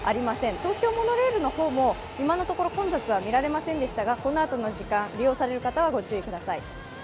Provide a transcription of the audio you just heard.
東京モノレールも今のところ混雑は見られませんでしたが、このあとの時間、利用される方はご注意ください。